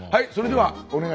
はい。